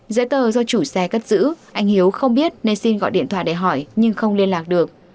giấy tờ do chủ xe cất giữ anh hiếu không biết nên xin gọi điện thoại để hỏi nhưng không liên lạc được